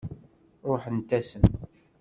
Ṛuḥent-asen.